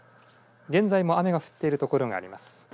現在も雨が降っている所があります。